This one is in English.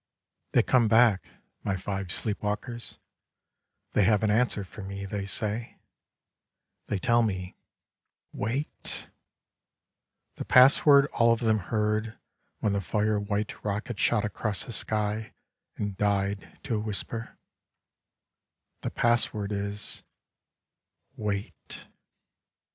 They come back, my five sleepwalkers; they have an answer for me, they say; they tell me: Wait — the password all of them heard when the fire white rocket shot across the sky and died to a whisper, the pass word is: Wait.